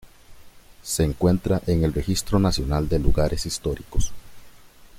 Se encuentra en el Registro Nacional de Lugares Históricos.